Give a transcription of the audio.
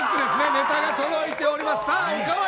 ネタが届いております。